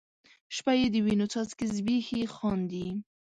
شپه یې د وینو څاڅکي زبیښي خاندي